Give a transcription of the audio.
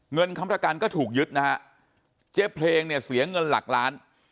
เงินค้ำประกันก็ถูกยึดเจ๊เพลงเสียเงินหลักล้าน